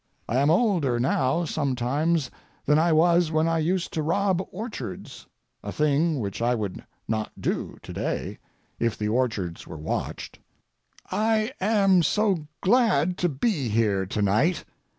I am older now sometimes than I was when I used to rob orchards; a thing which I would not do to day—if the orchards were watched. I am so glad to be here to night.